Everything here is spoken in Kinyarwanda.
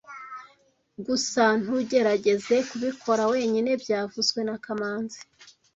Gusa ntugerageze kubikora wenyine byavuzwe na kamanzi